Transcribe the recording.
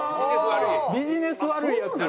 ビジネス悪いヤツ。